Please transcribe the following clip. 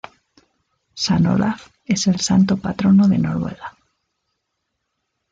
San Olaf es el santo patrono de Noruega.